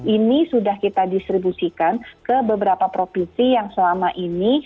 ini sudah kita distribusikan ke beberapa provinsi yang selama ini